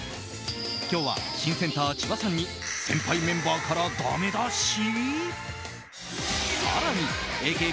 今日は新センター、千葉さんに先輩メンバーからだめ出し？